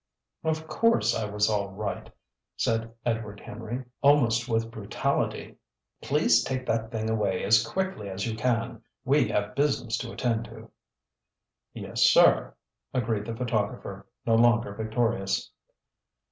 "Of course I was all right!" said Edward Henry, almost with brutality. "Please take that thing away as quickly as you can. We have business to attend to." "Yes, sir," agreed the photographer, no longer victorious.